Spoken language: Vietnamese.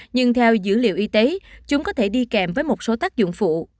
nhưng theo dữ liệu y tế chúng có thể đi kèm với một số tác dụng phụ